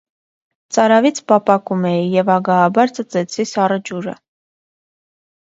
Ծարավից պապակում էի և ագահաբար ծծեցի սառը ջուրը: